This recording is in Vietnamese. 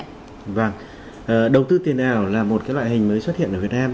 vâng đầu tư tiền ảo là một cái loại hình mới xuất hiện ở việt nam